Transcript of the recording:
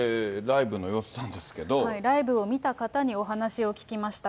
ライブを見た方にお話を聞きました。